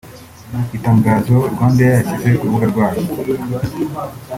Itangazo RwandAir yashyize ku rubuga rwayo